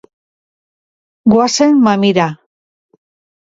Goazen mamira.